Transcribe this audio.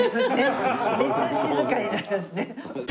めっちゃ静かになりますね。